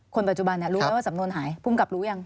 คนปัจจุบันรู้ไหมว่าสำนวนหายภูมิกับรู้ยัง